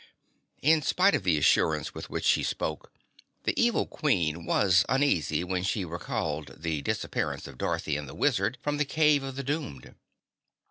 In spite of the assurance with which she spoke, the evil Queen was uneasy when she recalled the disappearance of Dorothy and the Wizard from the Cave of the Doomed.